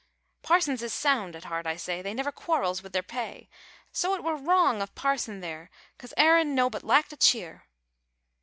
Parsons is sound at heart, I say, They never quarrels wi' their pay, Soa it wor wrong of Parson theer, Coz Aaron nobbut lacked a cheer.